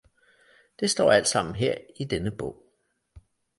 Det står alt sammen her i denne bog!